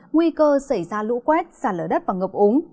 nguy cơ xảy ra lũ quét xả lở đất và ngập úng